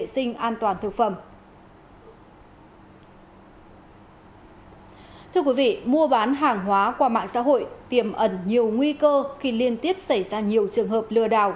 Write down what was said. công an đã tiếp nhận và xử lý hơn hai vụ